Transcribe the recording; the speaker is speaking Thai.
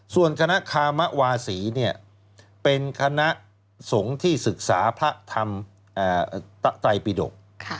ส่วนคณะคามวาศีเป็นคณะสงฆ์ที่ศึกษาพระธรรมไตรปิดก